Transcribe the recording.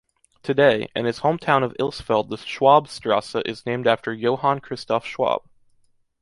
Today, in his hometown of Ilsfeld the “Schwabstraße” is named after Johann Christoph Schwab.